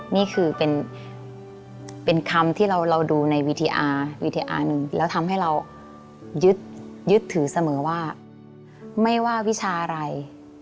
นี่คือเป็นคำที่เราดูในวีดีอาวิทยาหนึ่งแล้วทำให้เรายึดถือเสมอว่าไม่ว่าวิชาอะไร